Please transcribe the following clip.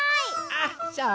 あっそう？